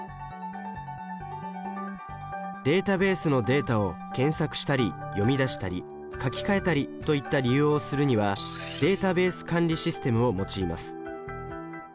データベースのデータを検索したり読み出したり書き換えたりといった利用をするにはデータベース管理システムを用います。